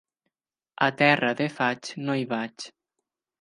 A terra de faig, no hi vaig.